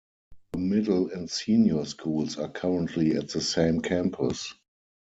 The Middle and Senior Schools are currently at the same campus.